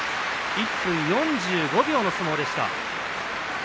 １分４５秒の相撲でした。